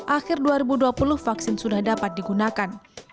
akhir dua ribu dua puluh vaksin sudah dapat digunakan